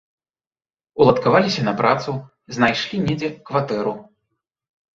Уладкаваліся на працу, знайшлі недзе кватэру.